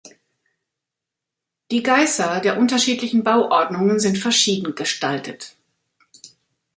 Die Geisa der unterschiedlichen Bauordnungen sind verschieden gestaltet.